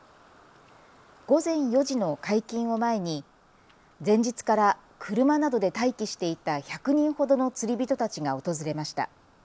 午前４時の解禁を前に前日から車などで待機していた１００人ほどの釣り人たちが訪れました。